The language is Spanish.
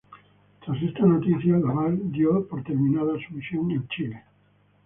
Tras esa noticia, Lavalle dio por terminada su misión en Chile.